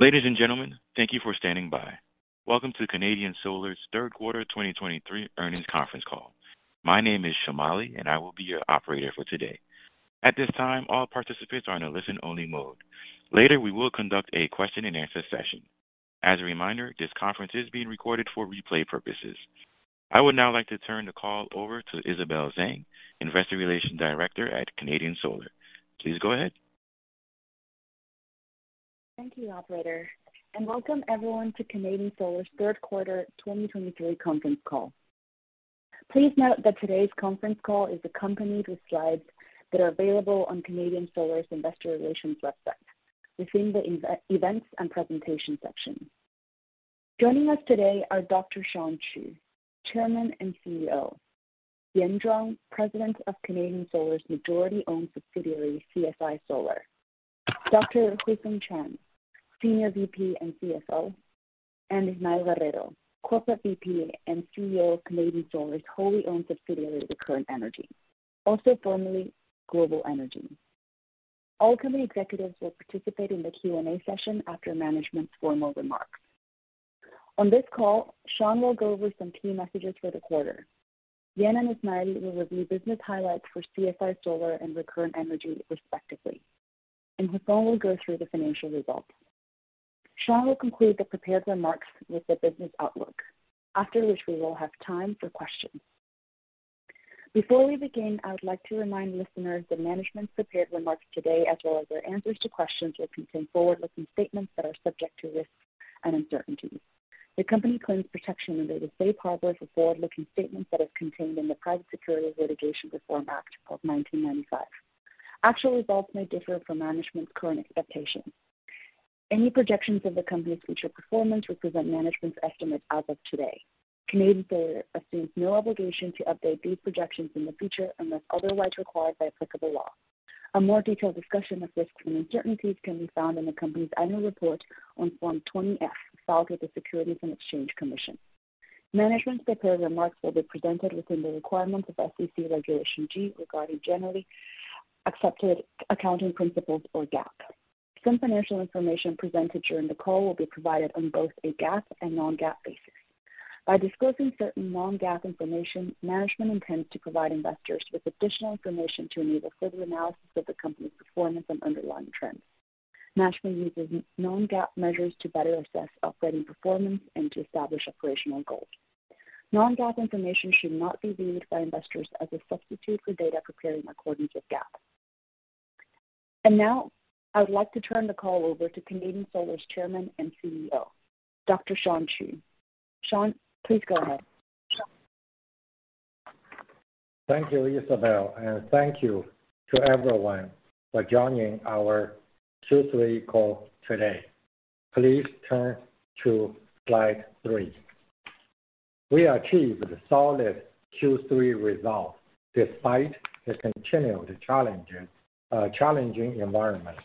Ladies and gentlemen, thank you for standing by. Welcome to Canadian Solar's Third Quarter 2023 Earnings Conference Call. My name is Shamali, and I will be your operator for today. At this time, all participants are in a listen-only mode. Later, we will conduct a question-and-answer session. As a reminder, this conference is being recorded for replay purposes. I would now like to turn the call over to Isabel Zhang, Investor Relations Director at Canadian Solar. Please go ahead. Thank you, operator, and welcome everyone to Canadian Solar's third quarter 2023 conference call. Please note that today's conference call is accompanied with slides that are available on Canadian Solar's investor relations website within the investor events and presentations section. Joining us today are Dr. Shawn Qu, Chairman and CEO; Yan Zhuang, President of Canadian Solar's majority-owned subsidiary, CSI Solar; Dr. Huifeng Chang, Senior VP and CFO; and Ismael Guerrero, Corporate VP and CEO of Canadian Solar's wholly owned subsidiary, Recurrent Energy, also formerly Global Energy. All company executives will participate in the Q&A session after management's formal remarks. On this call, Shawn will go over some key messages for the quarter. Yan and Ismael will review business highlights for CSI Solar and Recurrent Energy, respectively, and Huifeng will go through the financial results. Shawn will conclude the prepared remarks with the business outlook, after which we will have time for questions. Before we begin, I would like to remind listeners that management's prepared remarks today, as well as their answers to questions, will contain forward-looking statements that are subject to risks and uncertainties. The company claims protection under the safe harbors of forward-looking statements that is contained in the Private Securities Litigation Reform Act of 1995. Actual results may differ from management's current expectations. Any projections of the company's future performance represent management's estimates as of today. Canadian Solar assumes no obligation to update these projections in the future unless otherwise required by applicable law. A more detailed discussion of risks and uncertainties can be found in the company's annual report on Form 20-F, filed with the Securities and Exchange Commission. Management's prepared remarks will be presented within the requirements of SEC Regulation G regarding generally accepted accounting principles, or GAAP. Some financial information presented during the call will be provided on both a GAAP and non-GAAP basis. By disclosing certain non-GAAP information, management intends to provide investors with additional information to enable further analysis of the company's performance and underlying trends. Management uses non-GAAP measures to better assess operating performance and to establish operational goals. Non-GAAP information should not be viewed by investors as a substitute for data prepared in accordance with GAAP. Now, I would like to turn the call over to Canadian Solar's Chairman and CEO, Dr. Shawn Qu. Shawn, please go ahead. Thank you, Isabel, and thank you to everyone for joining our Q3 call today. Please turn to slide three. We achieved solid Q3 results despite the continued challenging environment.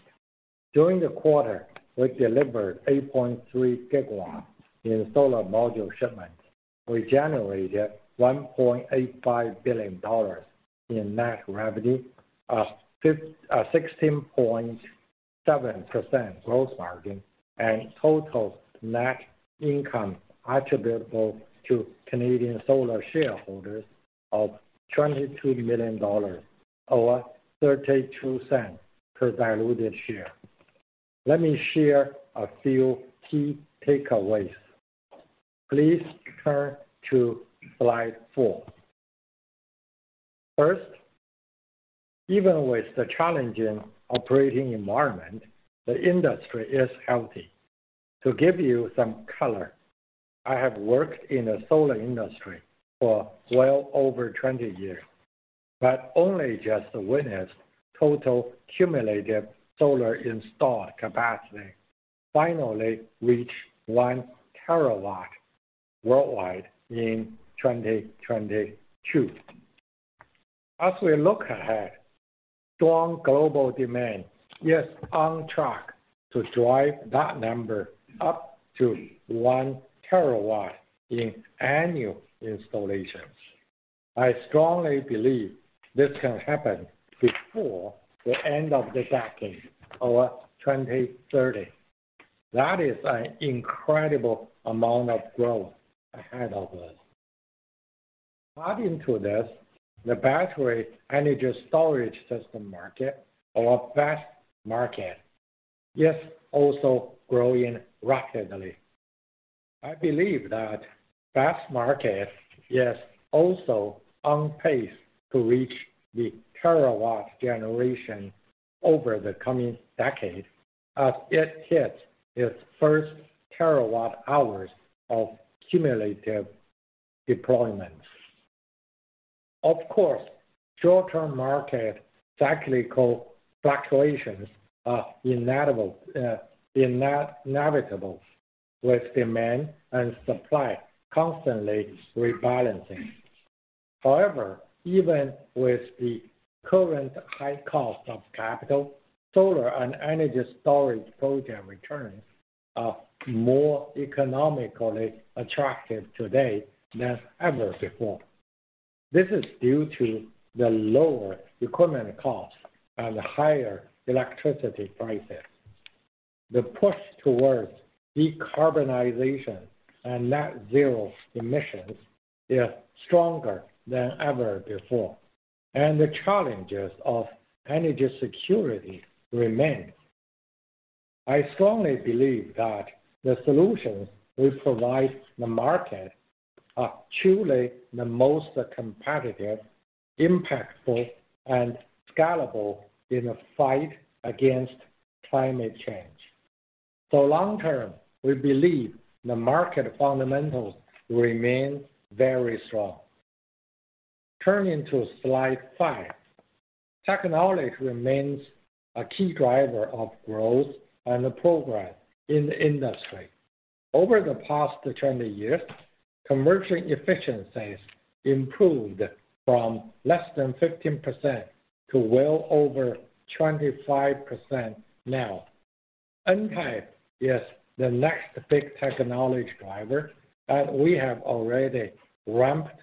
During the quarter, we delivered 8.3 GW in solar module shipments. We generated $1.85 billion in net revenue, a 16.7% gross margin, and total net income attributable to Canadian Solar shareholders of $22 million, or $0.32 per diluted share. Let me share a few key takeaways. Please turn to slide four. First, even with the challenging operating environment, the industry is healthy. To give you some color, I have worked in the solar industry for well over 20 years, but only just witnessed total cumulative solar installed capacity finally reach 1TW worldwide in 2022. As we look ahead, strong global demand is on track to drive that number up to 1 terawatt in annual installations. I strongly believe this can happen before the end of the decade, or 2030. That is an incredible amount of growth ahead of us. Adding to this, the battery energy storage system market, or BESS market, is also growing rapidly. I believe that BESS market is also on pace to reach the terawatt generation over the coming decade as it hits its first terawatt hours of cumulative deployments. Of course, short-term market cyclical fluctuations are inevitable, with demand and supply constantly rebalancing. However, even with the current high cost of capital, solar and energy storage program returns are more economically attractive today than ever before. This is due to the lower equipment costs and higher electricity prices. The push towards decarbonization and net zero emissions is stronger than ever before, and the challenges of energy security remain. I strongly believe that the solutions we provide the market are truly the most competitive, impactful, and scalable in the fight against climate change. So long term, we believe the market fundamentals remain very strong. Turning to slide five. Technology remains a key driver of growth and progress in the industry. Over the past 20 years, conversion efficiencies improved from less than 15% to well over 25% now. N-type is the next big technology driver, and we have already ramped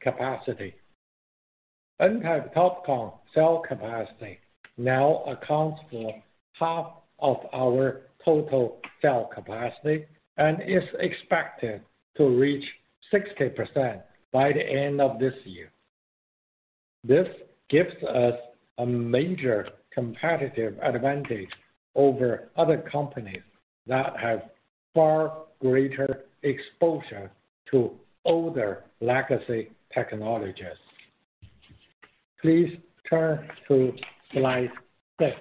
capacity. N-type TOPCon cell capacity now accounts for half of our total cell capacity, and is expected to reach 60% by the end of this year. This gives us a major competitive advantage over other companies that have far greater exposure to older legacy technologies. Please turn to slide six.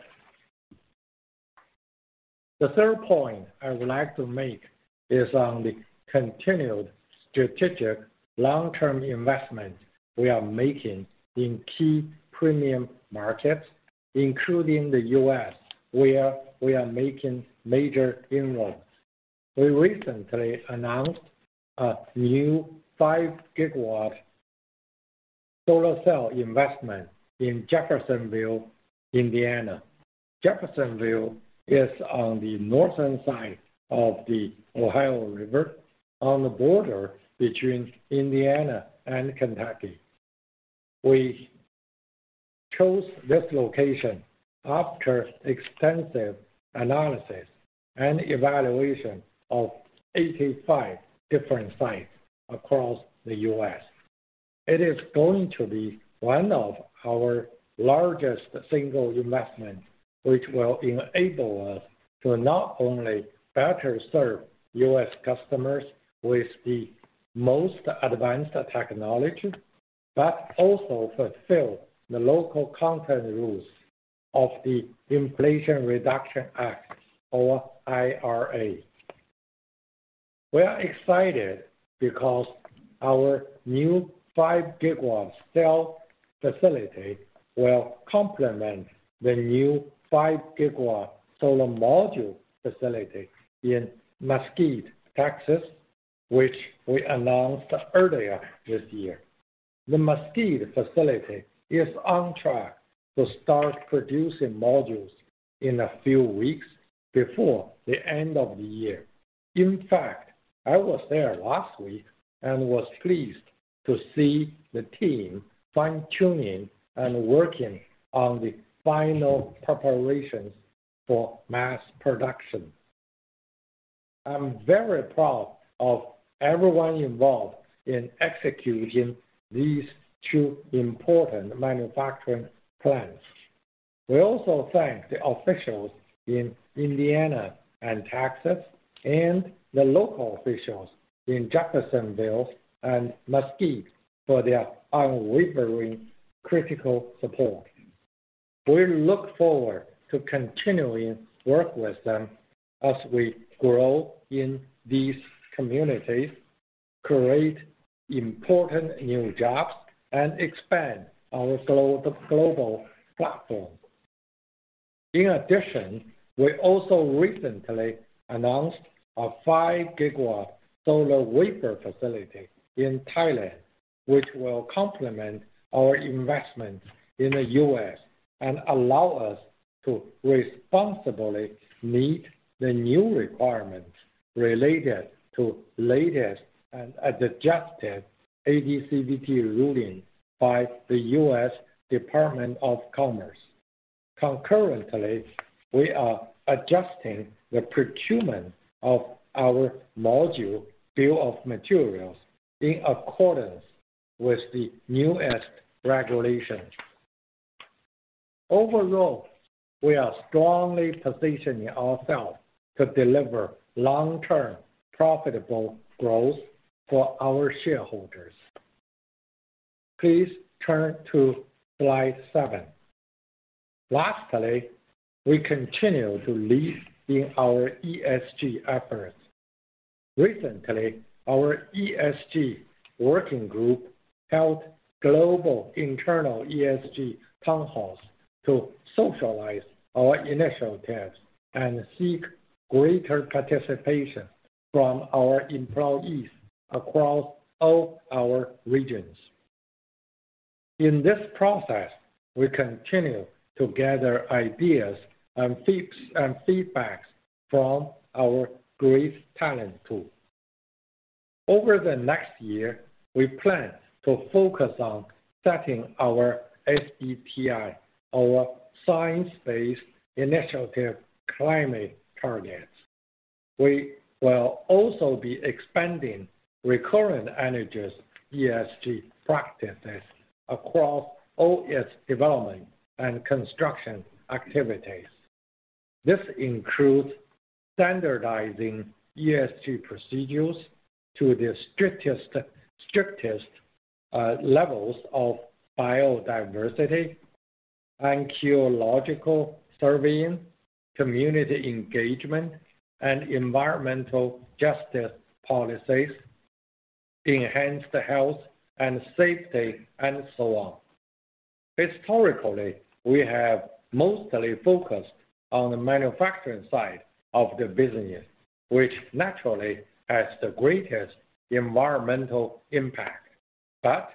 The third point I would like to make is on the continued strategic long-term investment we are making in key premium markets, including the U.S., where we are making major inroads. We recently announced a new 5-gigawatt solar cell investment in Jeffersonville, Indiana. Jeffersonville is on the northern side of the Ohio River, on the border between Indiana and Kentucky. We chose this location after extensive analysis and evaluation of 85 different sites across the U.S. It is going to be one of our largest single investments, which will enable us to not only better serve U.S. customers with the most advanced technology, but also fulfill the local content rules of the Inflation Reduction Act, or IRA. We are excited because our new 5-gigawatt cell facility will complement the new 5-gigawatt solar module facility in Mesquite, Texas, which we announced earlier this year. The Mesquite facility is on track to start producing modules in a few weeks before the end of the year. In fact, I was there last week and was pleased to see the team fine-tuning and working on the final preparations for mass production. I'm very proud of everyone involved in executing these two important manufacturing plants. We also thank the officials in Indiana and Texas, and the local officials in Jeffersonville and Mesquite for their unwavering critical support. We look forward to continuing to work with them as we grow in these communities, create important new jobs, and expand our global platform. In addition, we also recently announced a 5-gigawatt solar wafer facility in Thailand, which will complement our investment in the U.S. and allow us to responsibly meet the new requirements related to latest and adjusted AD/CVD ruling by the U.S. Department of Commerce. Concurrently, we are adjusting the procurement of our module bill of materials in accordance with the newest regulations. Overall, we are strongly positioning ourselves to deliver long-term, profitable growth for our shareholders. Please turn to slide seven. Lastly, we continue to lead in our ESG efforts. Recently, our ESG working group held global internal ESG town halls to socialize our initial tests and seek greater participation from our employees across all our regions. In this process, we continue to gather ideas and feedback and feedback from our great talent pool. Over the next year, we plan to focus on setting our SBTi, our science-based initiative climate targets. We will also be expanding Recurrent Energy's ESG practices across all its development and construction activities. This includes standardizing ESG procedures to the strictest, strictest levels of biodiversity and topographical surveying, community engagement, and environmental justice policies, enhanced health and safety, and so on. Historically, we have mostly focused on the manufacturing side of the business, which naturally has the greatest environmental impact, but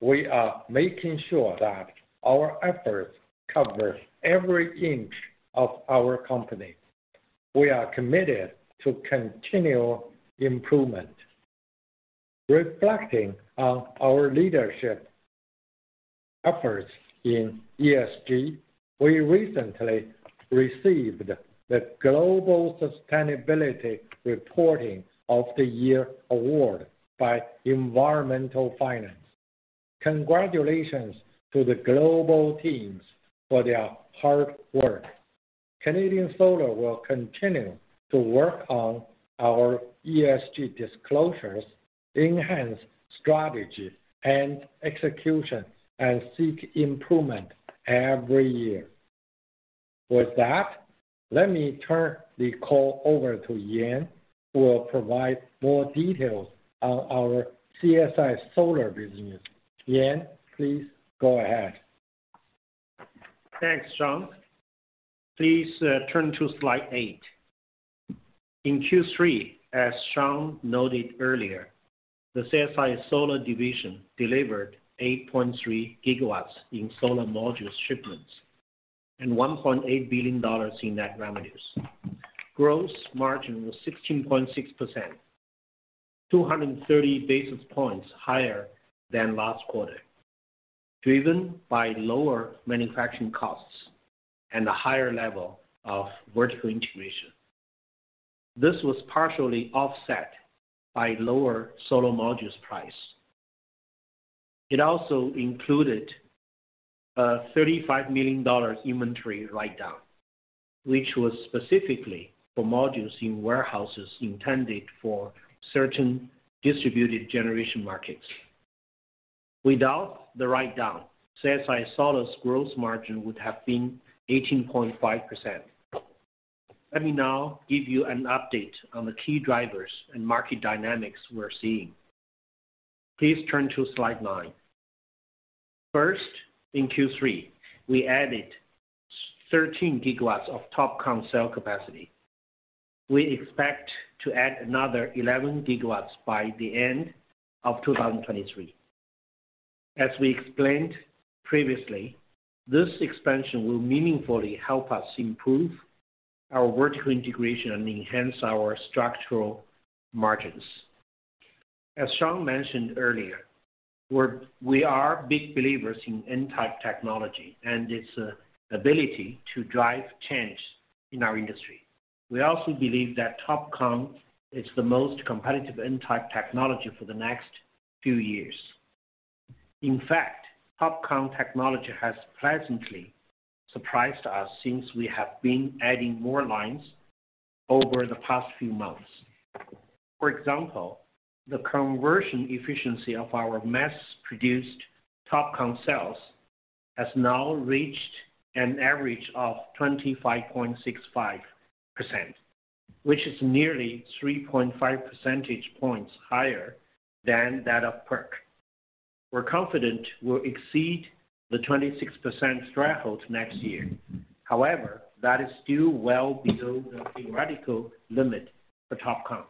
we are making sure that our efforts cover every inch of our company. We are committed to continual improvement. Reflecting on our leadership efforts in ESG, we recently received the Global Sustainability Reporting of the Year award by Environmental Finance. Congratulations to the global teams for their hard work. Canadian Solar will continue to work on our ESG disclosures, enhance strategy and execution, and seek improvement every year. With that, let me turn the call over to Yan, who will provide more details on our CSI Solar business. Yan, please go ahead. Thanks, Shawn. Please, turn to slide eight. In Q3, as Shawn noted earlier, the CSI Solar division delivered 8.3 GW in solar modules shipments, and $1.8 billion in net revenues. Gross margin was 16.6%, 230 basis points higher than last quarter, driven by lower manufacturing costs and a higher level of vertical integration. This was partially offset by lower solar modules price. It also included a $35 million inventory write-down, which was specifically for modules in warehouses intended for certain distributed generation markets. Without the write-down, CSI Solar's gross margin would have been 18.5%. Let me now give you an update on the key drivers and market dynamics we're seeing. Please turn to slide nine. First, in Q3, we added 13 GW of TOPCon cell capacity. We expect to add another 11 gigawatts by the end of 2023. As we explained previously, this expansion will meaningfully help us improve our vertical integration and enhance our structural margins. As Shawn mentioned earlier, we are big believers in N-type technology and its ability to drive change in our industry. We also believe that TOPCon is the most competitive N-type technology for the next few years. In fact, TOPCon technology has pleasantly surprised us since we have been adding more lines over the past few months. For example, the conversion efficiency of our mass-produced TOPCon cells has now reached an average of 25.65%, which is nearly 3.5 percentage points higher than that of PERC. We're confident we'll exceed the 26% threshold next year. However, that is still well below the theoretical limit for TOPCon,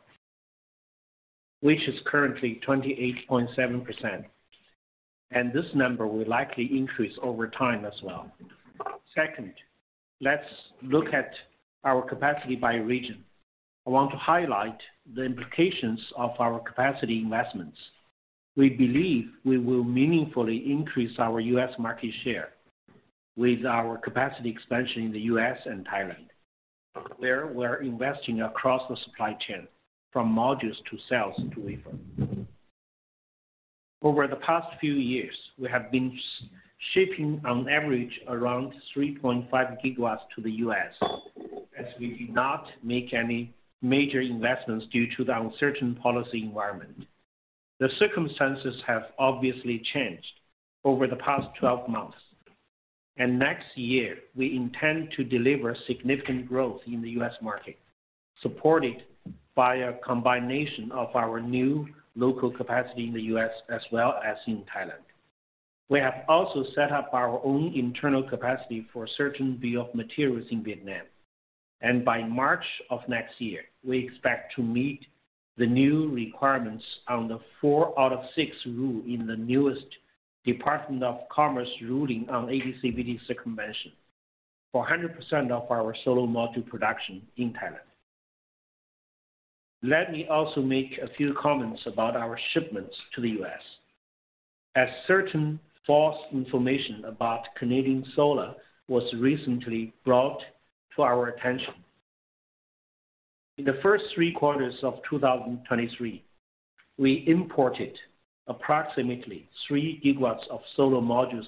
which is currently 28.7%, and this number will likely increase over time as well. Second, let's look at our capacity by region. I want to highlight the implications of our capacity investments. We believe we will meaningfully increase our U.S. market share with our capacity expansion in the U.S. and Thailand, where we're investing across the supply chain, from modules to cells to wafer. Over the past few years, we have been shipping on average around 3.5 GW to the U.S., as we did not make any major investments due to the uncertain policy environment. The circumstances have obviously changed over the past 12 months, and next year we intend to deliver significant growth in the U.S. market, supported by a combination of our new local capacity in the U.S. as well as in Thailand. We have also set up our own internal capacity for certain bill of materials in Vietnam. By March of next year, we expect to meet the new requirements on the four out of six rule in the newest Department of Commerce ruling on AD/CVD circumvention for 100% of our solar module production in Thailand. Let me also make a few comments about our shipments to the U.S., as certain false information about Canadian Solar was recently brought to our attention. In the first three quarters of 2023, we imported approximately 3 GW of solar modules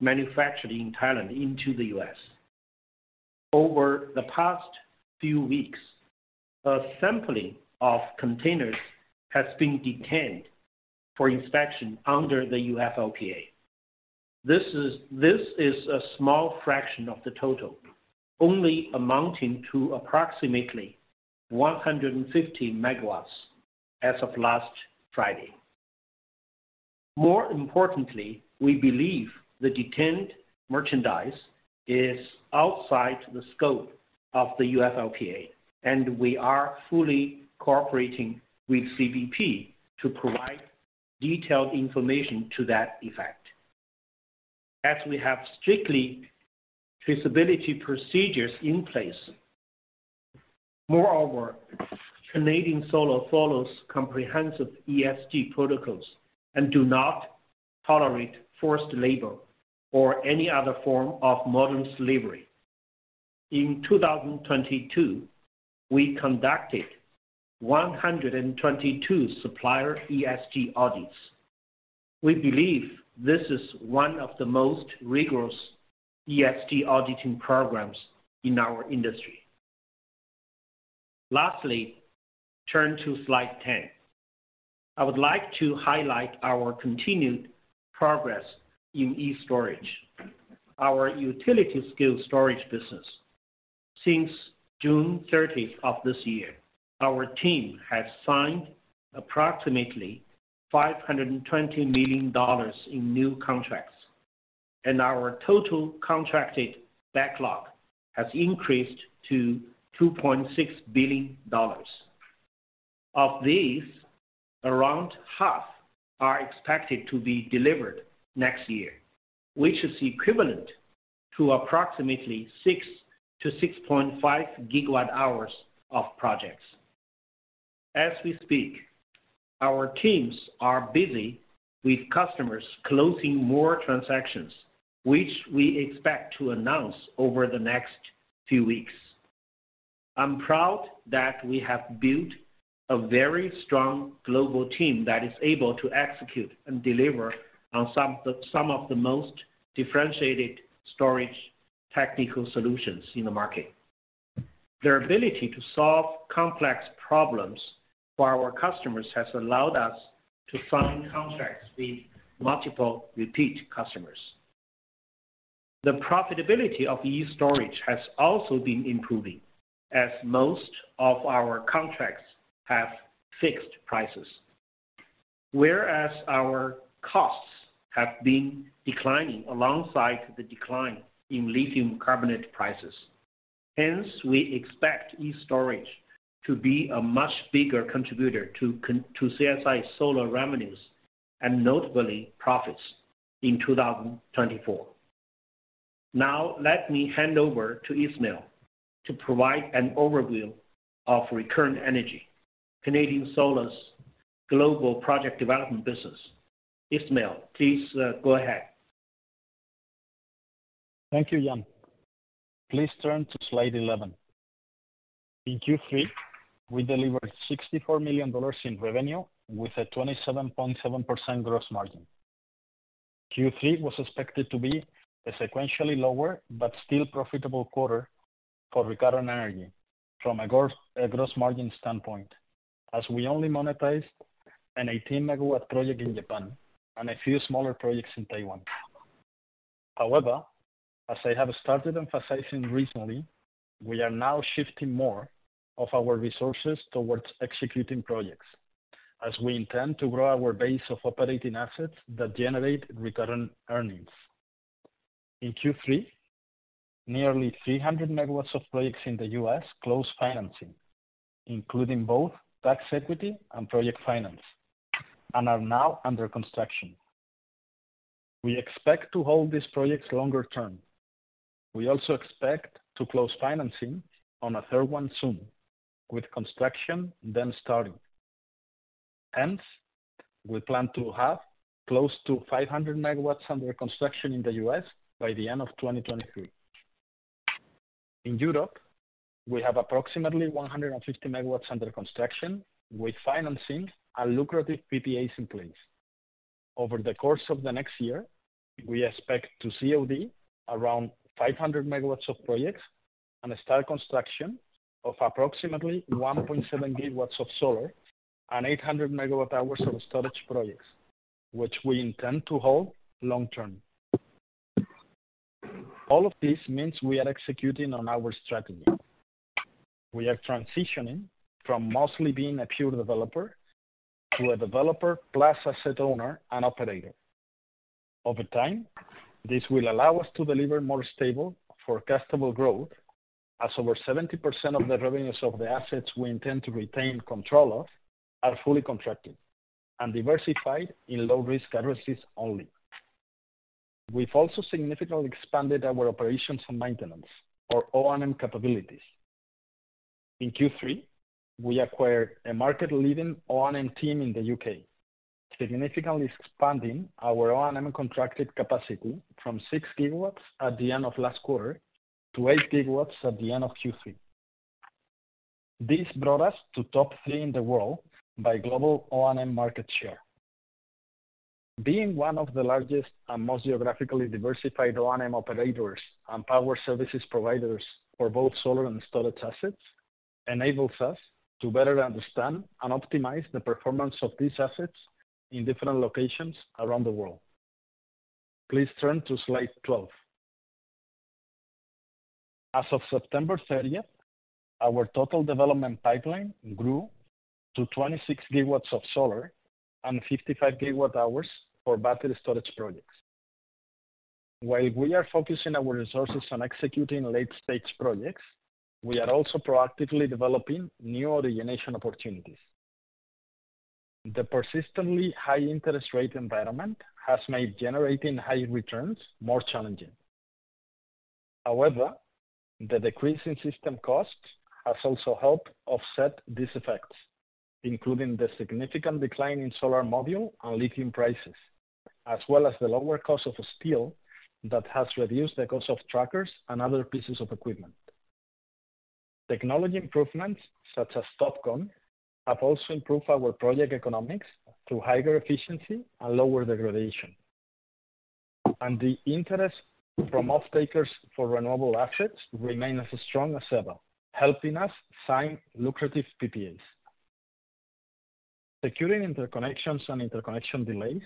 manufactured in Thailand into the U.S. Over the past few weeks, a sampling of containers has been detained for inspection under the UFLPA. This is a small fraction of the total, only amounting to approximately 150 MW as of last Friday. More importantly, we believe the detained merchandise is outside the scope of the UFLPA, and we are fully cooperating with CBP to provide detailed information to that effect, as we have strictly traceability procedures in place. Moreover, Canadian Solar follows comprehensive ESG protocols and do not tolerate forced labor or any other form of modern slavery. In 2022, we conducted 122 supplier ESG audits. We believe this is one of the most rigorous ESG auditing programs in our industry. Lastly, turn to slide 10. I would like to highlight our continued progress in e-STORAGE, our utility-scale storage business. Since June 30th of this year, our team has signed approximately $520 million in new contracts, and our total contracted backlog has increased to $2.6 billion. Of these, around half are expected to be delivered next year, which is equivalent to approximately 6 GWh-6.5 GWh of projects. As we speak, our teams are busy with customers closing more transactions, which we expect to announce over the next few weeks. I'm proud that we have built a very strong global team that is able to execute and deliver on some of the most differentiated storage technical solutions in the market. Their ability to solve complex problems for our customers has allowed us to sign contracts with multiple repeat customers. The profitability of e-STORAGE has also been improving, as most of our contracts have fixed prices, whereas our costs have been declining alongside the decline in lithium carbonate prices. Hence, we expect e-STORAGE to be a much bigger contributor to CSI Solar revenues, and notably, profits in 2024. Now, let me hand over to Ismael to provide an overview of Recurrent Energy, Canadian Solar's global project development business. Ismael, please, go ahead. Thank you, Yan. Please turn to slide 11. In Q3, we delivered $64 million in revenue with a 27.7% gross margin. Q3 was expected to be a sequentially lower but still profitable quarter for Recurrent Energy from a gross, a gross margin standpoint, as we only monetized an 18- MW project in Japan and a few smaller projects in Taiwan. However, as I have started emphasizing recently, we are now shifting more of our resources towards executing projects, as we intend to grow our base of operating assets that generate recurrent earnings. In Q3, nearly 300 MW of projects in the U.S. closed financing, including both tax equity and project finance, and are now under construction. We expect to hold these projects longer term. We also expect to close financing on a third one soon, with construction then starting. Hence, we plan to have close to 500 MW under construction in the U.S. by the end of 2023. In Europe, we have approximately 150 MW under construction, with financing and lucrative PPAs in place. Over the course of the next year, we expect to COD around 500 MW of projects and start construction of approximately 1.7 GW of solar and 800 MWh of storage projects, which we intend to hold long term. All of this means we are executing on our strategy. We are transitioning from mostly being a pure developer to a developer, plus asset owner and operator. Over time, this will allow us to deliver more stable, forecastable growth, as over 70% of the revenues of the assets we intend to retain control of are fully contracted and diversified in low-risk currencies only. We've also significantly expanded our operations and maintenance, or O&M, capabilities. In Q3, we acquired a market-leading O&M team in the U.K., significantly expanding our O&M contracted capacity from 6 GW at the end of last quarter to 8 GW at the end of Q3. This brought us to top three in the world by global O&M market share. Being one of the largest and most geographically diversified O&M operators and power services providers for both solar and storage assets, enables us to better understand and optimize the performance of these assets in different locations around the world. Please turn to slide 12. As of September thirtieth, our total development pipeline grew to 26 GW of solar and 55 GWh for battery storage projects. While we are focusing our resources on executing late-stage projects, we are also proactively developing new origination opportunities. The persistently high interest rate environment has made generating high returns more challenging. However, the decrease in system costs has also helped offset these effects, including the significant decline in solar module and lithium prices, as well as the lower cost of steel that has reduced the cost of trackers and other pieces of equipment. Technology improvements, such as TOPCon, have also improved our project economics through higher efficiency and lower degradation. The interest from off-takers for renewable assets remain as strong as ever, helping us sign lucrative PPAs. Securing interconnections and interconnection delays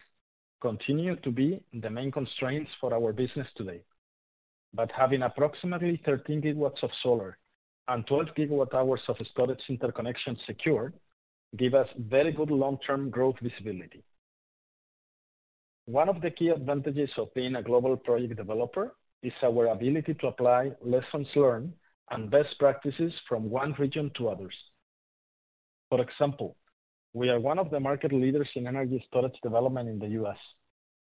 continue to be the main constraints for our business today. But having approximately 13 GW of solar and 12 GWh of storage interconnection secured, give us very good long-term growth visibility. One of the key advantages of being a global project developer is our ability to apply lessons learned and best practices from one region to others. For example, we are one of the market leaders in energy storage development in the U.S.,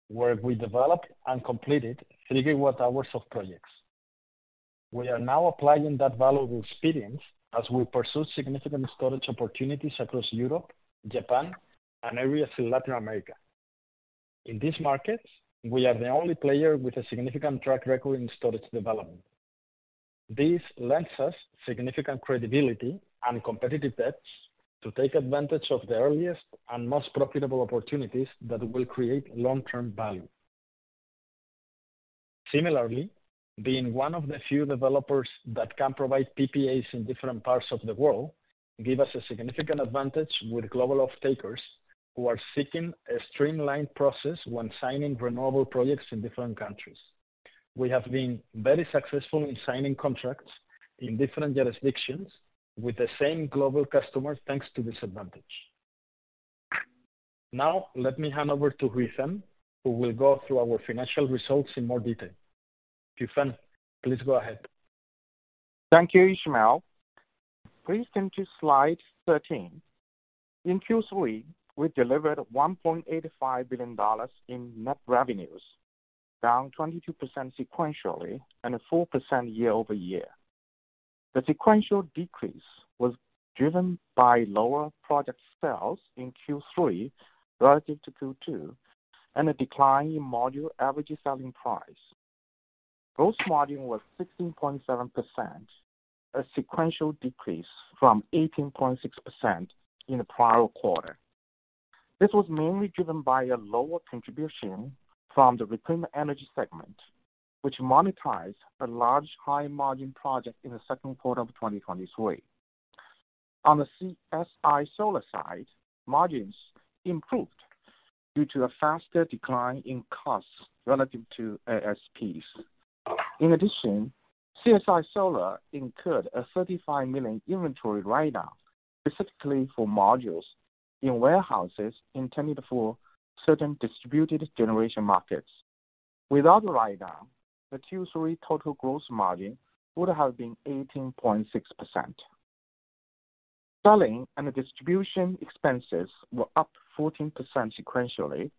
where we developed and completed 3 GWh of projects. We are now applying that valuable experience as we pursue significant storage opportunities across Europe, Japan, and areas in Latin America. In these markets, we are the only player with a significant track record in storage development. This lends us significant credibility and competitive edge to take advantage of the earliest and most profitable opportunities that will create long-term value. Similarly, being one of the few developers that can provide PPAs in different parts of the world give us a significant advantage with global off-takers who are seeking a streamlined process when signing renewable projects in different countries. We have been very successful in signing contracts in different jurisdictions with the same global customer, thanks to this advantage. Now, let me hand over to Huifeng, who will go through our financial results in more detail. Huifeng, please go ahead. Thank you, Ismael. Please turn to slide 13. In Q3, we delivered $1.85 billion in net revenues, down 22% sequentially and 4% year-over-year. The sequential decrease was driven by lower project sales in Q3 relative to Q2, and a decline in module average selling price. Gross margin was 16.7%, a sequential decrease from 18.6% in the prior quarter. This was mainly driven by a lower contribution from the Recurrent Energy segment, which monetized a large high-margin project in the second quarter of 2023. On the CSI Solar side, margins improved due to a faster decline in costs relative to ASPs. In addition, CSI Solar incurred a $35 million inventory write-down, specifically for modules in warehouses intended for certain distributed generation markets. Without the write-down, the Q3 total gross margin would have been 18.6%. Selling and distribution expenses were up 14% sequentially,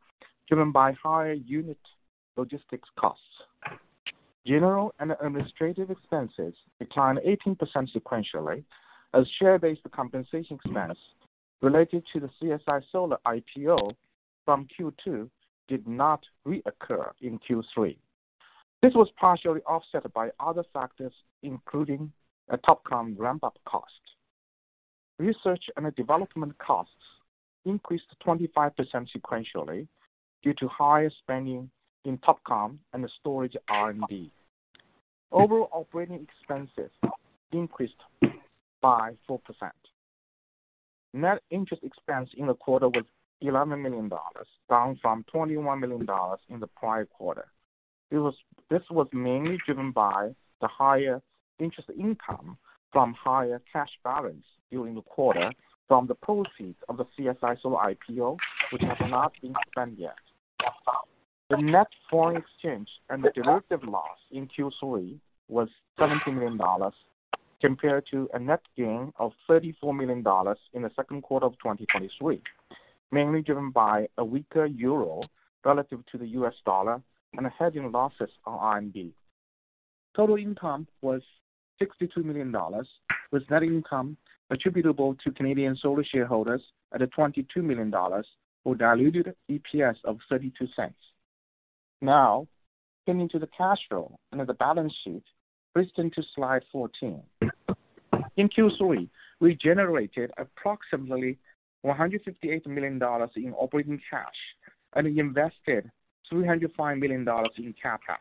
driven by higher unit logistics costs. General and administrative expenses declined 18% sequentially, as share-based compensation expense related to the CSI Solar IPO from Q2 did not reoccur in Q3. This was partially offset by other factors, including a TOPCon ramp-up cost. Research and development costs increased 25% sequentially due to higher spending in TOPCon and storage R&D. Overall, operating expenses increased by 4%. Net interest expense in the quarter was $11 million, down from $21 million in the prior quarter. This was mainly driven by the higher interest income from higher cash balance during the quarter from the proceeds of the CSI Solar IPO, which has not been spent yet. The net foreign exchange and the derivative loss in Q3 was $17 million, compared to a net gain of $34 million in the second quarter of 2023, mainly driven by a weaker euro relative to the U.S. dollar and a hedging losses on RMB. Total income was $62 million, with net income attributable to Canadian Solar shareholders at $22 million, for diluted EPS of $0.32. Now, getting to the cash flow and the balance sheet, please turn to slide 14. In Q3, we generated approximately $158 million in operating cash and invested $305 million in CapEx.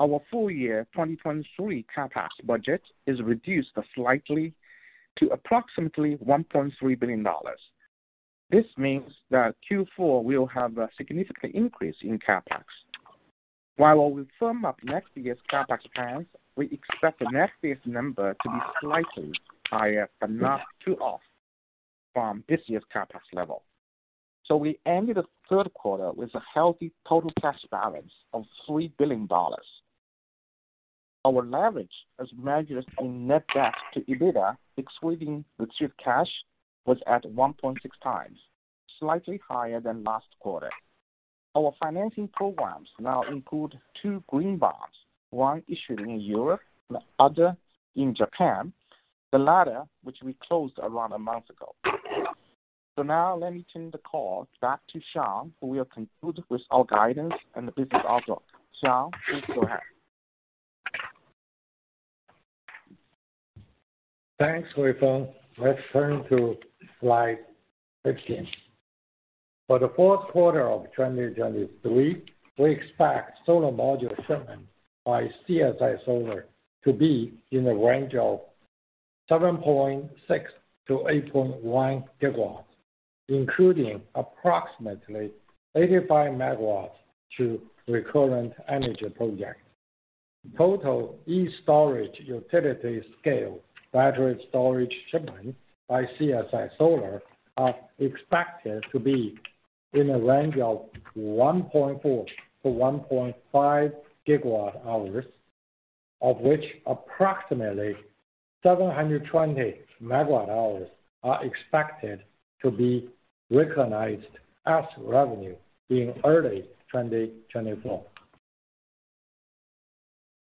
Our full-year 2023 CapEx budget is reduced slightly to approximately $1.3 billion. This means that Q4 will have a significant increase in CapEx. While we firm up next year's CapEx plans, we expect next year's number to be slightly higher, but not too off from this year's CapEx level. We ended the third quarter with a healthy total cash balance of $3 billion. Our leverage as measured in net debt to EBITDA, excluding the cash, was at 1.6x, slightly higher than last quarter. Our financing programs now include two green bonds, one issued in Europe and the other in Japan, the latter, which we closed around a month ago. Now let me turn the call back to Shawn, who will conclude with our guidance and the business outlook. Shawn, please go ahead. Thanks, Huifeng. Let's turn to slide 15. For the fourth quarter of 2023, we expect solar module shipments by CSI Solar to be in the range of 7.6 GW-8.1 GW, including approximately 85 MW to Recurrent Energy projects. Total e-STORAGE utility-scale battery storage shipments by CSI Solar are expected to be in a range of 1.4 GWh-1.5 GWh, of which approximately 720 MWh are expected to be recognized as revenue in early 2024.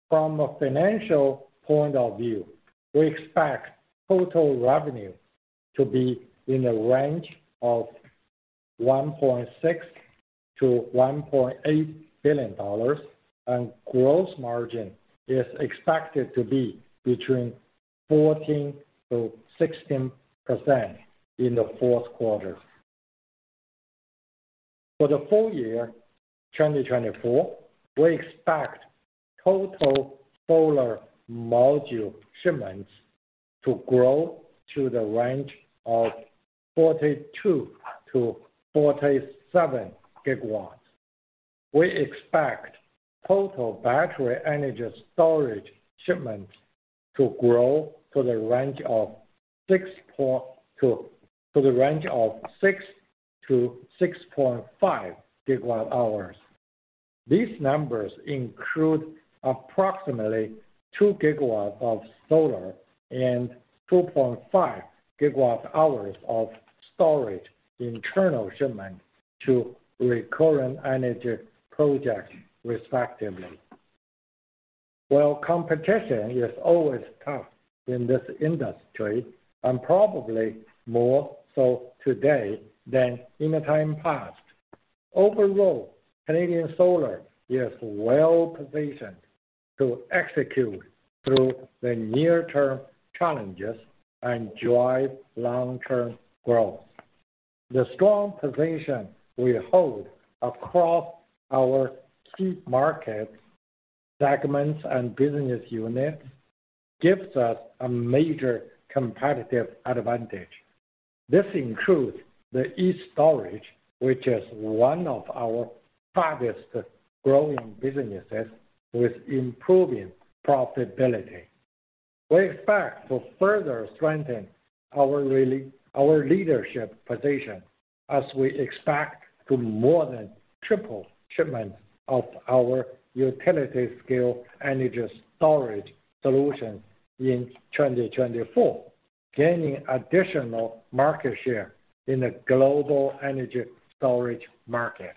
From a financial point of view, we expect total revenue to be in the range of $1.6 billion-$1.8 billion, and gross margin is expected to be between 14%-16% in the fourth quarter. For the full year 2024, we expect total solar module shipments to grow to the range of 42 GW-47 GW. We expect total battery energy storage shipments to grow to the range of 6 GW-6.5 GWh. These numbers include approximately 2 GW of solar and 2.5 GWh of storage internal shipments to Recurrent Energy projects, respectively. While competition is always tough in this industry, and probably more so today than in the time past, overall, Canadian Solar is well positioned to execute through the near-term challenges and drive long-term growth. The strong position we hold across our key markets, segments, and business units gives us a major competitive advantage. This includes the e-STORAGE, which is one of our fastest growing businesses with improving profitability. We expect to further strengthen our leadership position as we expect to more than triple shipments of our utility scale energy storage solution in 2024, gaining additional market share in the global energy storage market.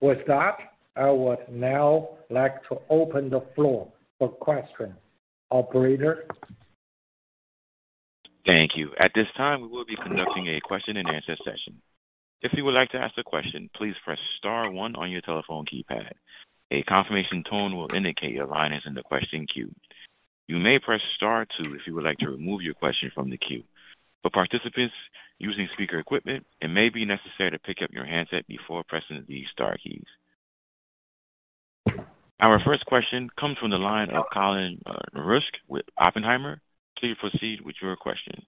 With that, I would now like to open the floor for questions. Operator? Thank you. At this time, we will be conducting a question-and-answer session. If you would like to ask a question, please press star one on your telephone keypad. A confirmation tone will indicate your line is in the question queue. You may press star two if you would like to remove your question from the queue. For participants using speaker equipment, it may be necessary to pick up your handset before pressing the star keys. Our first question comes from the line of Colin Rusch with Oppenheimer. Please proceed with your question.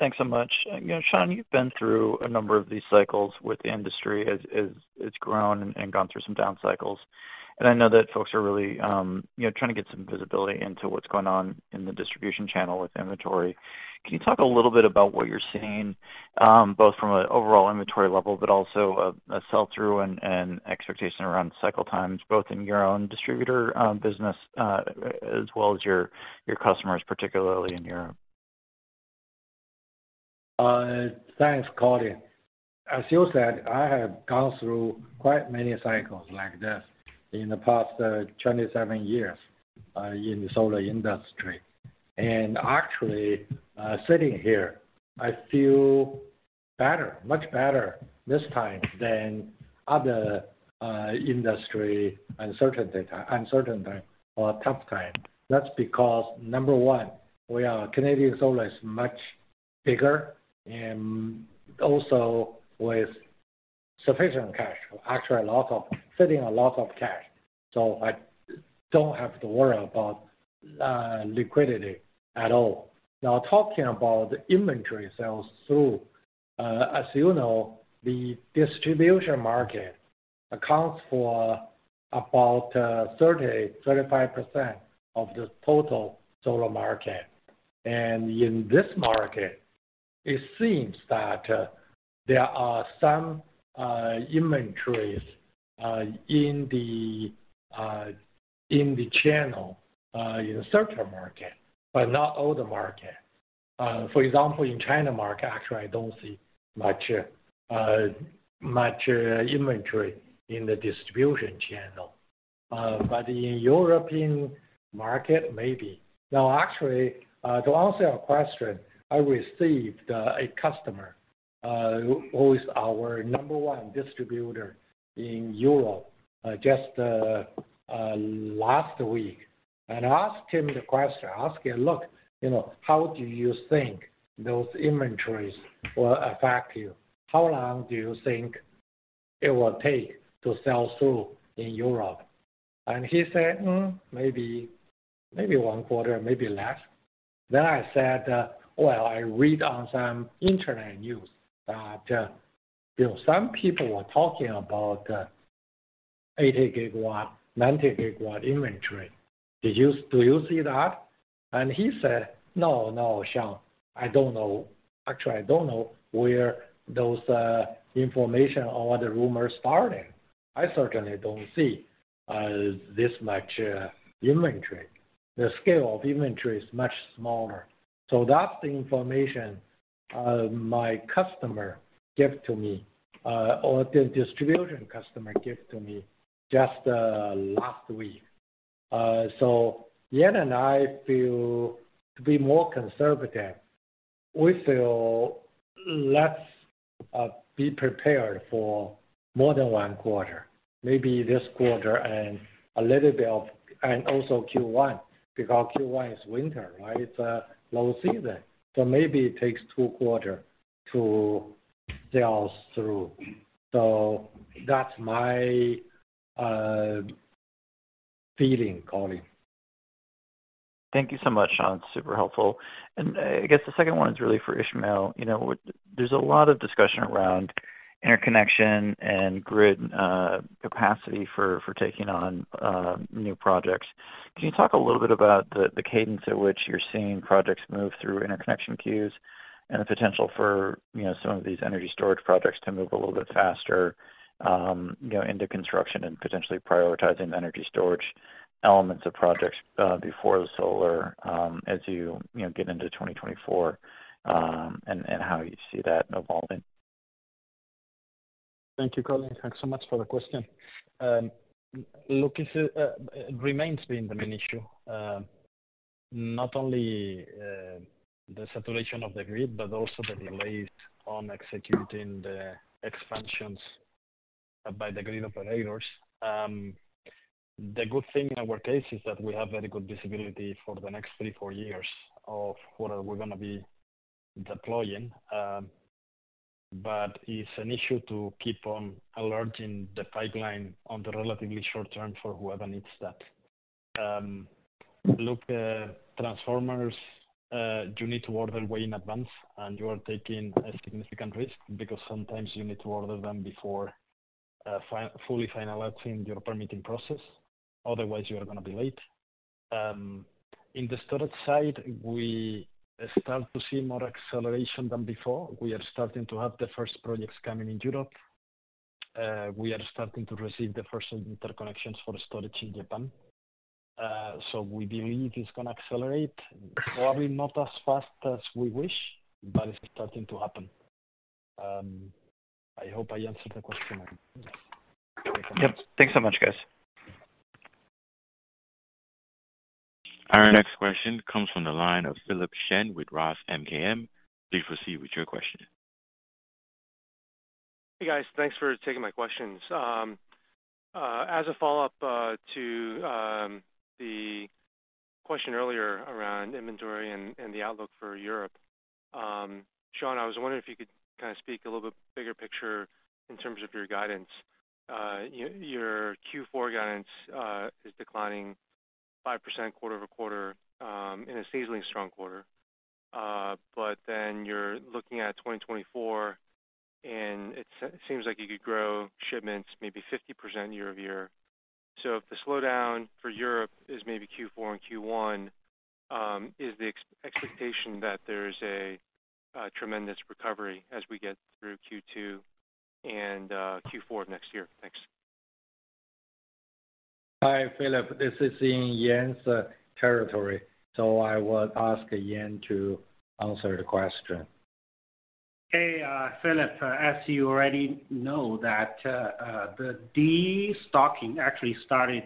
Thanks so much. You know, Shawn, you've been through a number of these cycles with the industry as it's grown and gone through some down cycles. And I know that folks are really, you know, trying to get some visibility into what's going on in the distribution channel with inventory. Can you talk a little bit about what you're seeing, both from an overall inventory level, but also a sell-through and expectation around cycle times, both in your own distributor business as well as your customers, particularly in Europe? Thanks, Colin. As you said, I have gone through quite many cycles like this in the past 27 years in the solar industry. And actually, sitting here, I feel better, much better this time than other industry uncertainty, uncertain time or tough time. That's because, number one, we are, Canadian Solar is much bigger and also with sufficient cash. Actually, sitting a lot of cash. So I don't have to worry about liquidity at all. Now, talking about the inventory sales through, as you know, the distribution market accounts for about 30%-35% of the total solar market. And in this market, it seems that there are some inventories in the channel in certain market, but not all the market. For example, in China market, actually, I don't see much inventory in the distribution channel. But in European market, maybe. Now, actually, to answer your question, I received a customer who is our number one distributor in Europe just last week, and asked him the question. I asked him, "Look, you know, how do you think those inventories will affect you? How long do you think it will take to sell through in Europe?" And he said, "Hmm, maybe, maybe one quarter, maybe less." Then I said, "Well, I read on some internet news that, you know, some people were talking about 80 gigawatt, 90 gigawatt inventory. Did you do you see that?" And he said, "No, no, Shawn, I don't know. Actually, I don't know where those information or the rumor started. I certainly don't see this much inventory. The scale of inventory is much smaller." So that's the information my customer gave to me or the distribution customer gave to me just last week. So Yan and I feel to be more conservative. We feel, let's be prepared for more than one quarter, maybe this quarter and a little bit of, and also Q1, because Q1 is winter, right? It's a low season, so maybe it takes two quarter to sales through. So that's my feeling, Colin. Thank you so much, Shawn. Super helpful. I guess the second one is really for Ismael. You know, there's a lot of discussion around interconnection and grid capacity for taking on new projects. Can you talk a little bit about the cadence at which you're seeing projects move through interconnection queues and the potential for, you know, some of these energy storage projects to move a little bit faster, you know, into construction and potentially prioritizing the energy storage elements of projects before the solar, as you, you know, get into 2024, and how you see that evolving? Thank you, Colin. Thanks so much for the question. Look, remains being the main issue, not only the saturation of the grid, but also the delays on executing the expansions by the grid operators. The good thing in our case is that we have very good visibility for the next three, four years of what are we gonna be deploying. But it's an issue to keep on alerting the pipeline on the relatively short term for whoever needs that. Look, transformers, you need to order way in advance, and you are taking a significant risk because sometimes you need to order them before fully finalizing your permitting process. Otherwise, you are gonna be late. In the storage side, we start to see more acceleration than before. We are starting to have the first projects coming in Europe. We are starting to receive the first interconnections for storage in Japan. So we believe it's gonna accelerate, probably not as fast as we wish, but it's starting to happen. I hope I answered the question. Yep. Thanks so much, guys. Our next question comes from the line of Philip Shen with Roth MKM. Please proceed with your question. Hey, guys. Thanks for taking my questions. As a follow-up to the question earlier around inventory and the outlook for Europe, Shawn, I was wondering if you could kind of speak a little bit bigger picture in terms of your guidance. Your Q4 guidance is declining 5% quarter-over-quarter in a seasonally strong quarter. But then you're looking at 2024, and it seems like you could grow shipments maybe 50% year-over-year. So if the slowdown for Europe is maybe Q4 and Q1, is the expectation that there is a tremendous recovery as we get through Q2 and Q4 next year? Thanks. Hi, Philip. This is in Yan's territory, so I would ask Yan to answer the question. Hey, Philip. As you already know, that, the destocking actually started,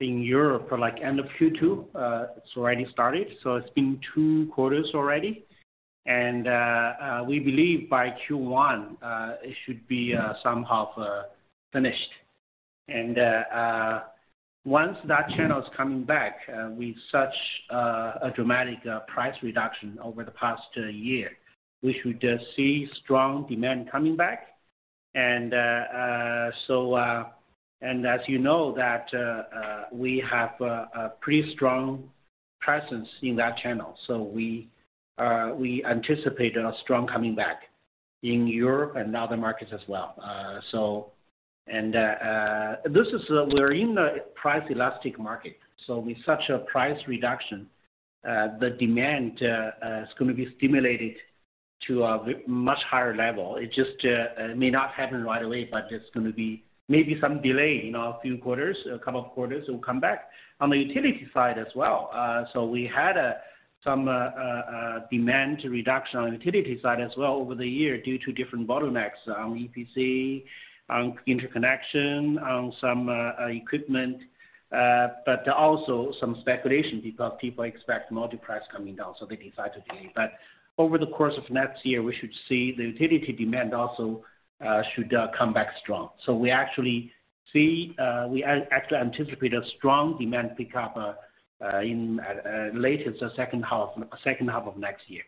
in Europe for, like, end of Q2. It's already started, so it's been two quarters already. And, we believe by Q1, it should be, somehow, finished. And, once that channel is coming back, with such, a dramatic, price reduction over the past year, we should, see strong demand coming back. And, so... And as you know, that, we have a, a pretty strong presence in that channel, so we, we anticipate a strong coming back in Europe and other markets as well. So, this is we're in a price elastic market, so with such a price reduction, the demand is going to be stimulated to a very much higher level. It just may not happen right away, but it's going to be maybe some delay, you know, a few quarters, a couple of quarters, it will come back. On the utility side as well, so we had some demand reduction on the utility side as well over the year due to different bottlenecks on EPC, on interconnection, on some equipment, but also some speculation because people expect module price coming down, so they decide to delay. But over the course of next year, we should see the utility demand also should come back strong. So we actually see we actually anticipate a strong demand pickup in the second half of next year.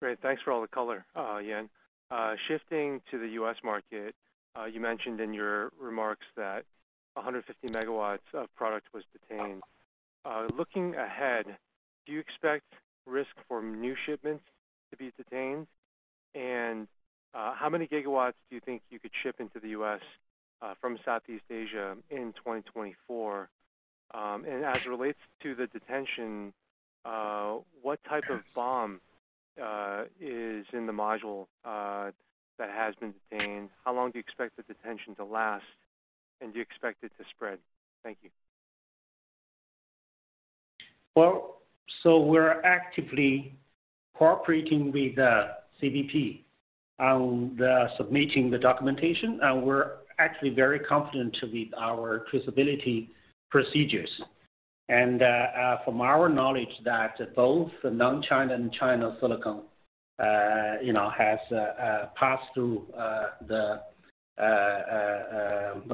Great. Thanks for all the color, Yan. Shifting to the U.S. market, you mentioned in your remarks that 150 megawatts of product was detained. Looking ahead, do you expect risk for new shipments to be detained? And, how many gigawatts do you think you could ship into the U.S., from Southeast Asia in 2024? And as it relates to the detention, what type of BOM is in the module that has been detained? How long do you expect the detention to last, and do you expect it to spread? Thank you. Well, so we're actively cooperating with the CBP on submitting the documentation, and we're actually very confident with our traceability procedures. And from our knowledge, that both non-China and China silicon, you know, has passed through the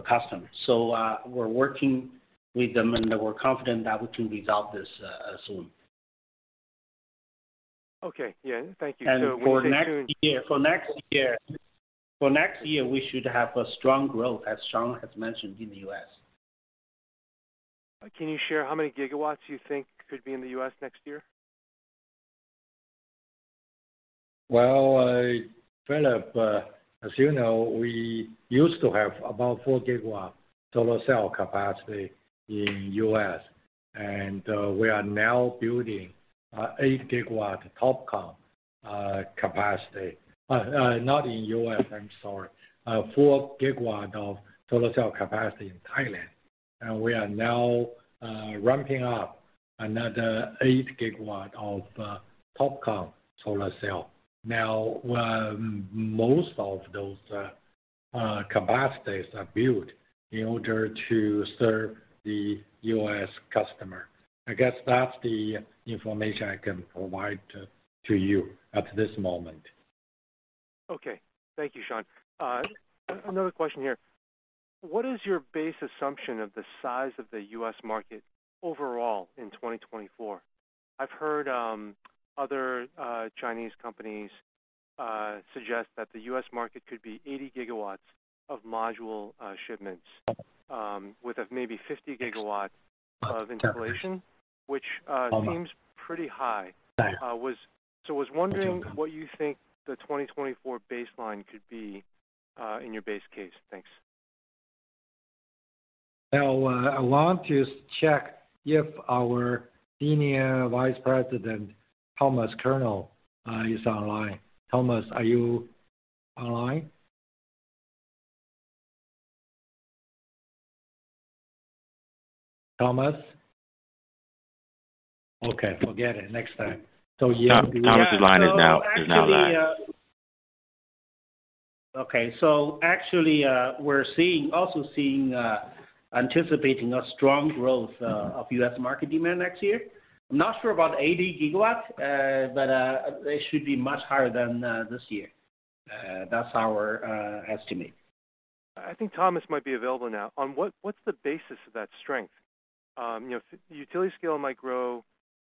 customs. So we're working with them, and we're confident that we can resolve this soon. Okay. Yeah, thank you. So we stay tuned- For next year, we should have a strong growth, as Shawn has mentioned, in the U.S. Can you share how many gigawatts you think could be in the U.S. next year? Well, Philip, as you know, we used to have about 4 GW solar cell capacity in U.S., and we are now building 8 GW TOPCon capacity. Not in U.S., I'm sorry. 4 GW of solar cell capacity in Thailand, and we are now ramping up another 8 GW of TOPCon solar cell. Now, most of those capacities are built in order to serve the U.S. customer. I guess that's the information I can provide to you at this moment. Okay. Thank you, Shawn. Another question here: What is your base assumption of the size of the U.S. market overall in 2024? I've heard other Chinese companies suggest that the U.S. market could be 80 GW of module shipments with a maybe 50 GW of installation- Yeah. - which, seems pretty high. Right. So I was wondering what you think the 2024 baseline could be, in your base case. Thanks. Now, I want to check if our Senior Vice President, Thomas Koerner, is online. Thomas, are you online? Thomas? Okay, forget it. Next time. So yeah- Thomas' line is now live. Okay. So actually, we're seeing, also seeing, anticipating a strong growth of U.S. market demand next year. Not sure about 80 GW, but it should be much higher than this year. That's our estimate. I think Thomas might be available now. What's the basis of that strength? You know, utility scale might grow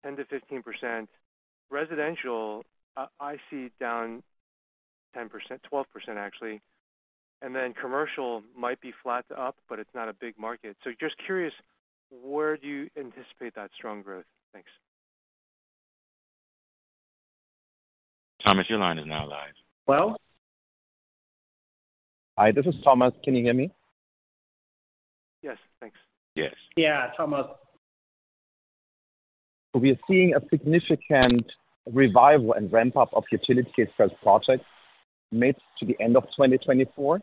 10%-15%. Residential, I see down... 10%, 12% actually. And then commercial might be flat to up, but it's not a big market. So just curious, where do you anticipate that strong growth? Thanks. Thomas, your line is now live. Hello? Hi, this is Thomas. Can you hear me? Yes, thanks. Yes. Yeah, Thomas. We are seeing a significant revival and ramp-up of utility-scale projects mid to the end of 2024.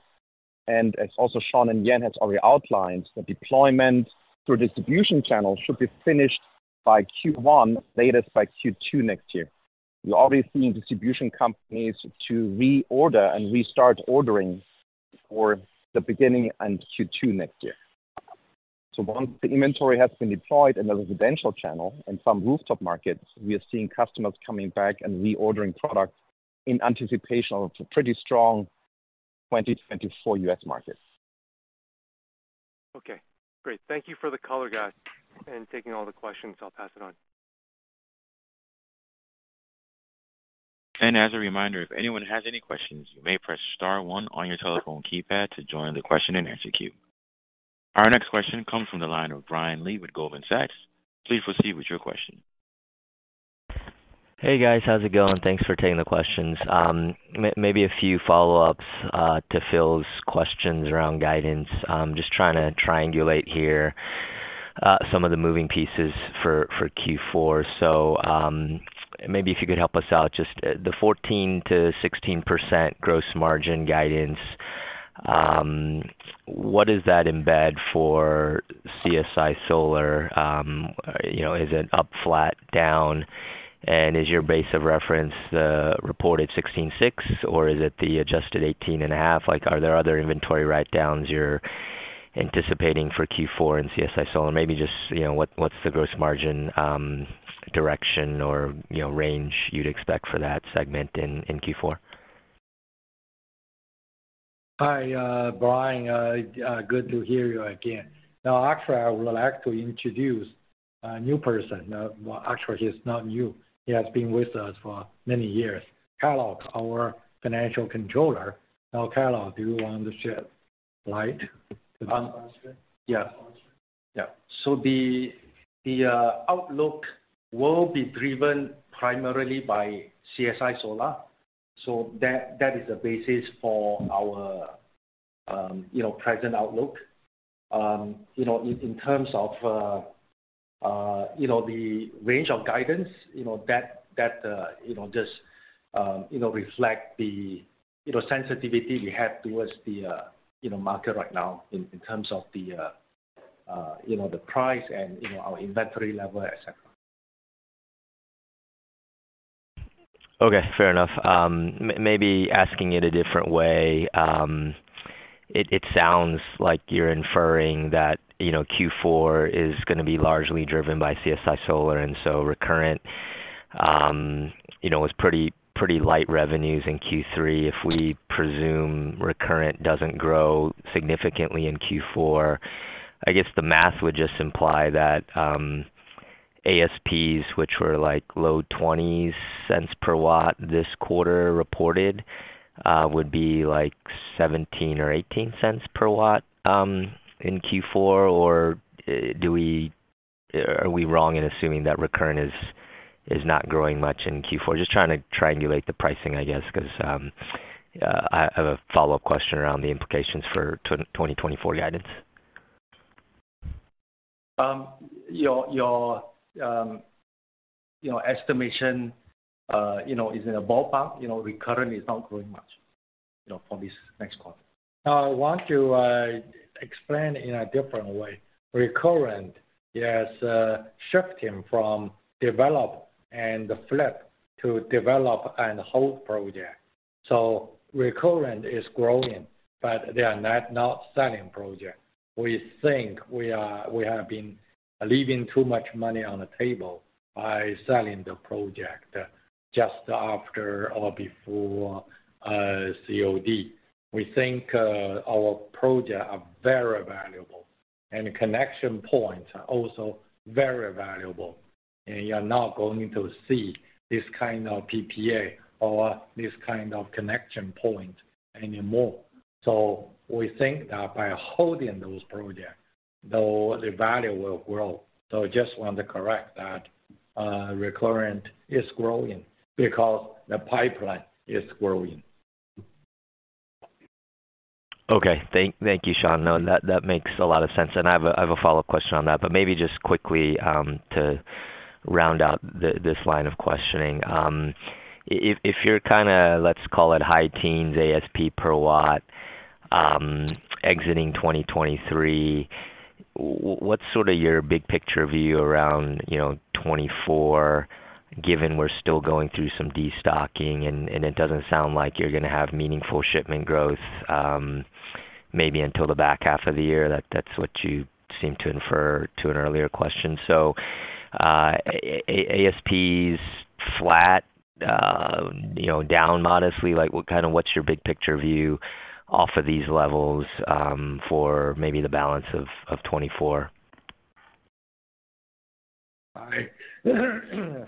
As also Shawn and Yan has already outlined, the deployment through distribution channel should be finished by Q1, latest by Q2 next year. We're already seeing distribution companies to reorder and restart ordering for the beginning and Q2 next year. So once the inventory has been deployed in the residential channel and some rooftop markets, we are seeing customers coming back and reordering products in anticipation of a pretty strong 2024 U.S. market. Okay, great. Thank you for the color, guys, and taking all the questions. I'll pass it on. As a reminder, if anyone has any questions, you may press star one on your telephone keypad to join the question-and-answer queue. Our next question comes from the line of Brian Lee with Goldman Sachs. Please proceed with your question. Hey, guys. How's it going? Thanks for taking the questions. Maybe a few follow-ups to Phil's questions around guidance. Just trying to triangulate here some of the moving pieces for Q4. Maybe if you could help us out, just the 14%-16% gross margin guidance, what is that embed for CSI Solar? You know, is it up, flat, down? And is your base of reference the reported 16.6, or is it the adjusted 18.5? Like, are there other inventory write-downs you're anticipating for Q4 in CSI Solar? Maybe just, you know, what, what's the gross margin direction or, you know, range you'd expect for that segment in Q4? Hi, Brian. Good to hear you again. Now, actually, I would like to introduce a new person. Well, actually, he's not new. He has been with us for many years. Kah Locke, our Financial Controller. Now, Kah Locke, do you want to shed light? Yeah. Yeah. So the outlook will be driven primarily by CSI Solar. So that is the basis for our, you know, present outlook. You know, in terms of, you know, the range of guidance, you know, that just, you know, reflect the, you know, sensitivity we have towards the, you know, market right now in terms of the, you know, the price and, you know, our inventory level, et cetera. Okay, fair enough. Maybe asking it a different way, it sounds like you're inferring that, you know, Q4 is gonna be largely driven by CSI Solar, and so Recurrent, you know, was pretty light revenues in Q3. If we presume Recurrent doesn't grow significantly in Q4, I guess the math would just imply that, ASPs, which were like low $0.20 per watt this quarter, reported, would be like $0.17 or $0.18 per watt, in Q4. Or do we... Are we wrong in assuming that Recurrent is not growing much in Q4? Just trying to triangulate the pricing, I guess, because I have a follow-up question around the implications for 2024 guidance. Your estimation, you know, is in a ballpark. You know, Recurrent is not growing much, you know, for this next quarter. I want to explain in a different way. Recurrent is shifting from develop and flip to develop and hold project. So Recurrent is growing, but they are not, not selling project. We think we are- we have been leaving too much money on the table by selling the project just after or before COD. We think our project are very valuable, and connection points are also very valuable, and you're not going to see this kind of PPA or this kind of connection point anymore. So we think that by holding those projects, though, the value will grow. So just want to correct that Recurrent is growing because the pipeline is growing. Okay. Thank you, Shawn. No, that makes a lot of sense, and I have a follow-up question on that. But maybe just quickly, to round out this line of questioning. If you're kind of, let's call it high teens ASP per watt, exiting 2023, what's sort of your big picture view around, you know, 2024, given we're still going through some destocking, and it doesn't sound like you're going to have meaningful shipment growth, maybe until the back half of the year? That's what you seemed to infer to an earlier question. So, ASPs flat, you know, down modestly, like, what kind of-- what's your big picture view off of these levels, for maybe the balance of 2024? Hi.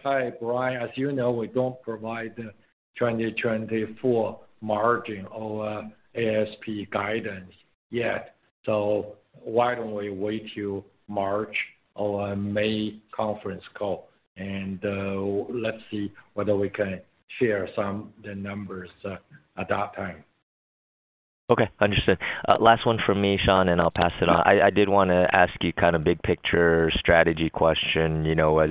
Hi, Brian. As you know, we don't provide the 2024 margin or ASP guidance yet. So why don't we wait till March or May conference call, and let's see whether we can share some the numbers at that time. Okay, understood. Last one from me, Shawn, and I'll pass it on. I did wanna ask you kind of big picture strategy question. You know, as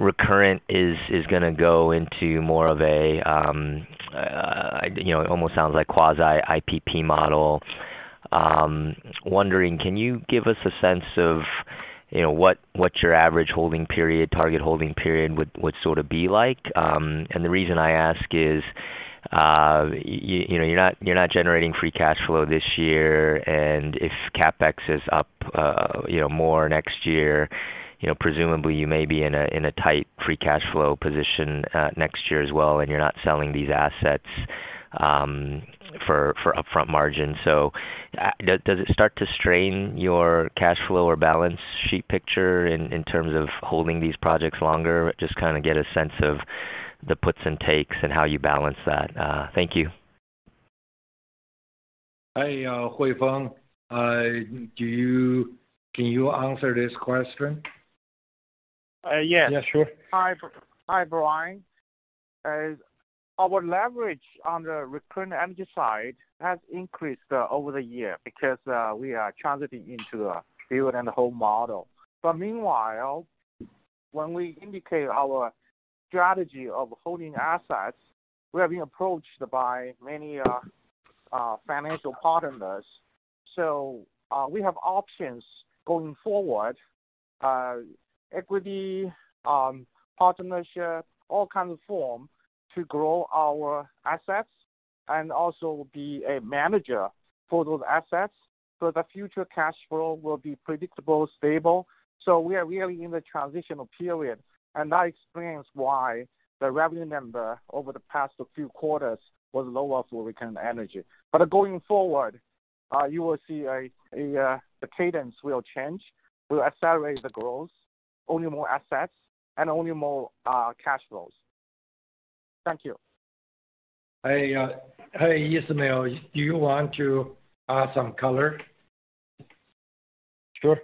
Recurrent is gonna go into more of a, you know, it almost sounds like quasi-IPP model. Wondering, can you give us a sense of, you know, what your average holding period, target holding period, would sort of be like? And the reason I ask is, you know, you're not generating free cash flow this year, and if CapEx is up, you know, more next year, you know, presumably you may be in a tight free cash flow position next year as well, and you're not selling these assets for upfront margin. So, does it start to strain your cash flow or balance sheet picture in terms of holding these projects longer? Just kinda get a sense of the puts and takes and how you balance that. Thank you. Hey, Huifeng, can you answer this question? Uh, yes. Yeah, sure. Hi, hi, Brian. Our leverage on the Recurrent Energy side has increased over the year because we are transitioning into a build-and-hold model. But meanwhile, when we indicate our strategy of holding assets, we are being approached by many financial partners. So we have options going forward, equity, partnership, all kind of form, to grow our assets and also be a manager for those assets. So the future cash flow will be predictable, stable. So we are really in the transitional period, and that explains why the revenue number over the past few quarters was lower for Recurrent Energy. But going forward, you will see a the cadence will change. We'll accelerate the growth, own more assets, and own more cash flows. Thank you. Hey, hey, Ismael, do you want to add some color? Sure.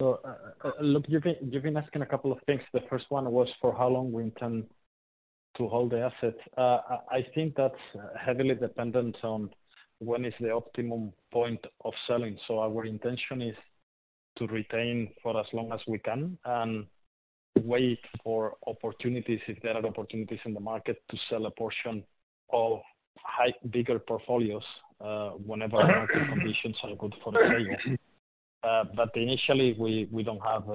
So, look, you've been, you've been asking a couple of things. The first one was for how long we intend to hold the assets. I think that's heavily dependent on when is the optimum point of selling. So our intention is to retain for as long as we can and wait for opportunities, if there are opportunities in the market, to sell a portion of high, bigger portfolios, whenever market conditions are good for the sales. But initially, we don't have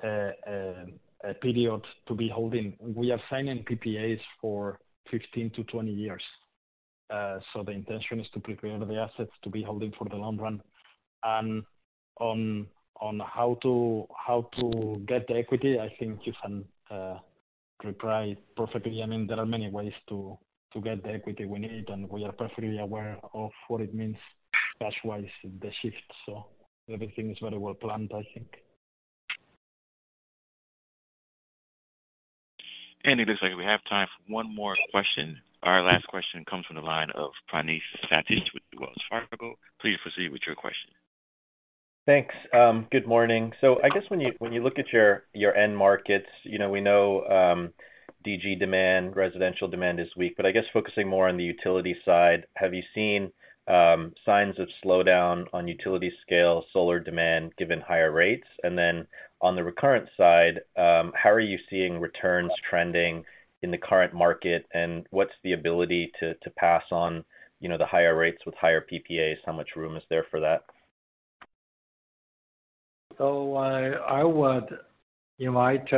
a period to be holding. We are signing PPAs for 15-20 years. So the intention is to prepare the assets to be holding for the long run. And on how to get the equity, I think you can reply perfectly. I mean, there are many ways to, to get the equity we need, and we are perfectly aware of what it means, cash-wise, the shift. So everything is very well planned, I think. It looks like we have time for one more question. Our last question comes from the line of Praneeth Satish with Wells Fargo. Please proceed with your question. Thanks. Good morning. So I guess when you look at your end markets, you know, we know DG demand, residential demand is weak, but I guess focusing more on the utility side, have you seen signs of slowdown on utility scale solar demand, given higher rates? And then on the Recurrent side, how are you seeing returns trending in the current market, and what's the ability to pass on, you know, the higher rates with higher PPAs? How much room is there for that? I would invite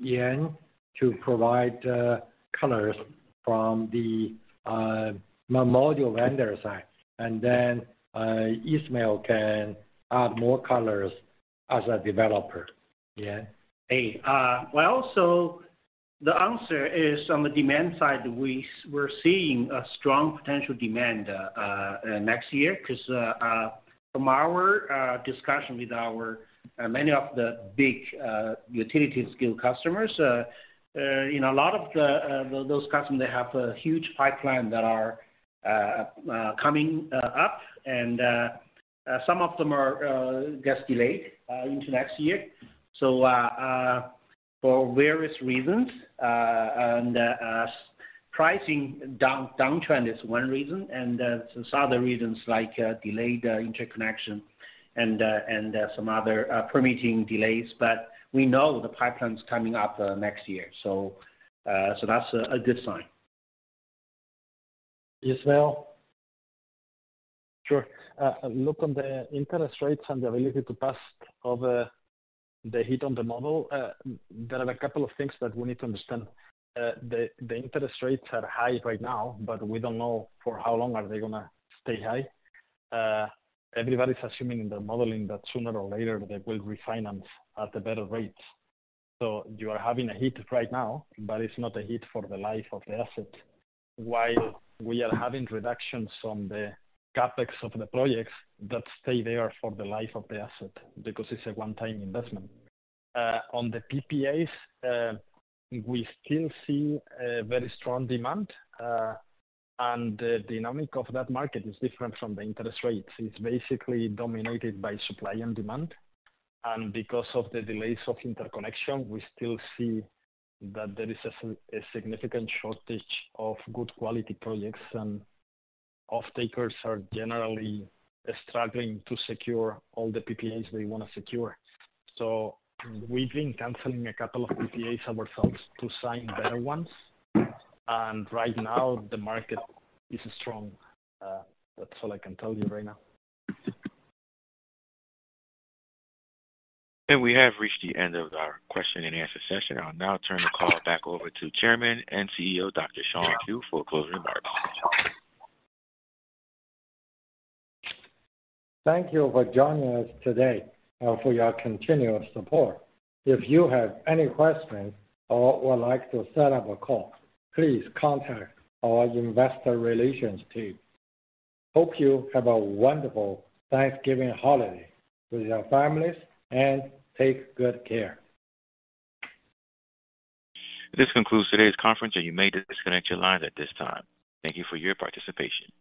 Yan to provide colors from the module vendor side, and then Ismael can add more colors as a developer. Yan? Hey. Well, so the answer is, on the demand side, we're seeing a strong potential demand next year, because from our discussion with our many of the big utility scale customers, you know, a lot of the those customers, they have a huge pipeline that are coming up, and some of them are gets delayed into next year. So for various reasons, and pricing downtrend is one reason, and some other reasons like delayed interconnection and and some other permitting delays. But we know the pipeline's coming up next year, so so that's a a good sign. Ismael? Sure. Look, on the interest rates and the ability to pass over the hit on the model, there are a couple of things that we need to understand. The interest rates are high right now, but we don't know for how long are they gonna stay high. Everybody's assuming in the modeling that sooner or later, they will refinance at the better rates. So you are having a hit right now, but it's not a hit for the life of the asset. While we are having reductions on the CapEx of the projects, that stay there for the life of the asset because it's a one-time investment. On the PPAs, we still see a very strong demand, and the dynamic of that market is different from the interest rates. It's basically dominated by supply and demand, and because of the delays of interconnection, we still see that there is a significant shortage of good quality projects, and off-takers are generally struggling to secure all the PPAs they want to secure. So we've been canceling a couple of PPAs ourselves to sign better ones, and right now, the market is strong. That's all I can tell you right now. We have reached the end of our question-and-answer session. I'll now turn the call back over to Chairman and CEO, Dr. Shawn Qu, for closing remarks. Thank you for joining us today and for your continuous support. If you have any questions or would like to set up a call, please contact our investor relations team. Hope you have a wonderful Thanksgiving holiday with your families, and take good care. This concludes today's conference, and you may disconnect your lines at this time. Thank you for your participation.